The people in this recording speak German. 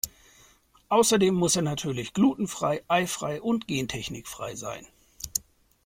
Außerdem muss er natürlich glutenfrei, eifrei und gentechnikfrei sein.